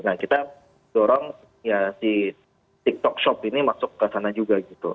nah kita dorong ya si tiktok shop ini masuk ke sana juga gitu